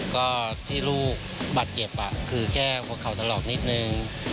ก็ที่ลูกบัตรเจ็บคือแค่เข่าถลอกนิดหนึ่ง